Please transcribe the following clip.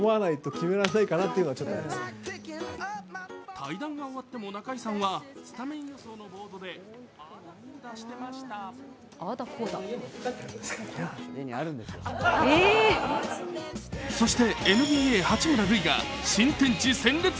対談が終わっても中居さんはスタメン予想のボードでああだこうだしてました。